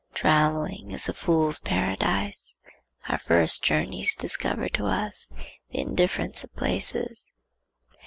Travelling is a fool's paradise. Our first journeys discover to us the indifference of places.